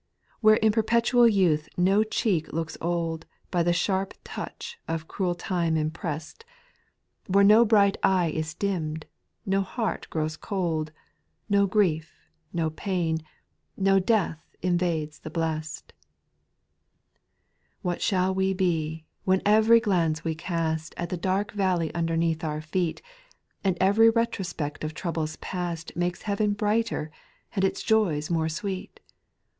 Where in perpetual youth no cheek looks old By the sharp touch of cruel time imprest, SPmiTUAL SONGS, 298 Where no bright eye is dimm'd, no heart grows cold, No grief, no pain, no death invades the blest 1 7. "What shall we be, when every glance we cast At the dark valley underneath our feet, And every retrospect of troubles past Makes heaven brighter and its joys more sweet